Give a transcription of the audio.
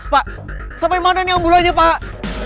pak sampai mana nih ambulannya pak